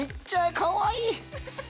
かわいい！